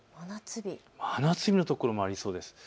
真夏日の所もありそうです。